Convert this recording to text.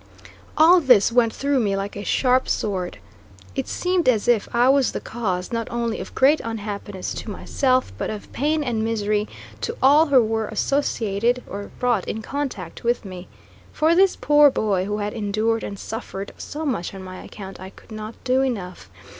All this went through me like a sharp sword. It seemed as if I was the cause, not only of great unhappiness to myself, but of pain and misery to all who were associated or brought in contact with me. For this poor boy, who had endured and suffered so much on my account, I could not do enough.